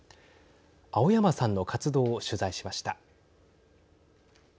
青山さんの活動を取材しました。